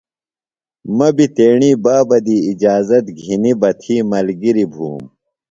مہ بیۡ تیݨی بابہ دی اجازت گِھنیۡ بہ تھی ملگِریۡ بُھوم۔